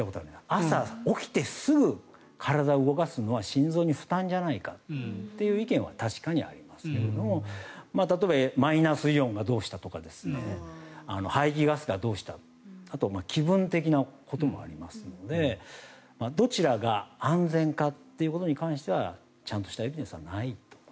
朝起きてすぐ体を動かすのは心臓に負担じゃないかという意見は確かにありますけど例えばマイナスイオンがどうしたとか排気ガスがどうしたあとは気分的なこともありますのでどちらが安全かということに関してはちゃんとしたエビデンスはないと。